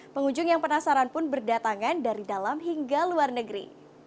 pengunjung yang penasaran pun berdatangan dari dalam hingga luar negeri